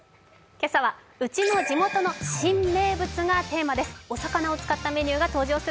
今朝はうちの地元の新名物がテーマです。